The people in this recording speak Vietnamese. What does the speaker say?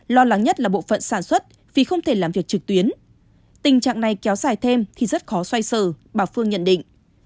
lo lắng nhất là bộ phận sản xuất vì không thể làm việc trực tuyến tình trạng này kéo dài thêm thì rất khó xoay sở bà phương nhận định